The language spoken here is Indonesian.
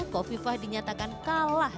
kofi fah dinyatakan kalah